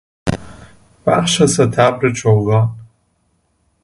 بخش ستبر چوگان